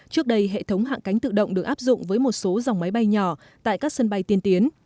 trước đây hệ thống hạ cánh tự động được áp dụng với một số dòng máy bay nhỏ tại các sân bay tiên tiến